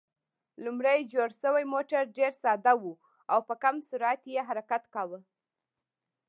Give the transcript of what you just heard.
لومړی جوړ شوی موټر ډېر ساده و او په کم سرعت یې حرکت کاوه.